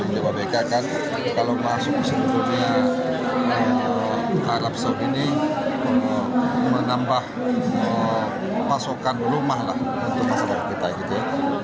jawa bk kan kalau masuk sebetulnya arab saudi ini menambah pasokan rumah lah untuk masyarakat kita gitu ya